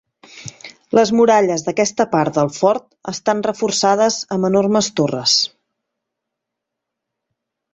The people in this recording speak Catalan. Les muralles d'aquesta part del fort estan reforçades amb enormes torres.